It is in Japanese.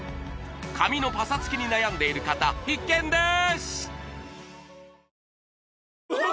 髪のパサつきに悩んでいる方必見です！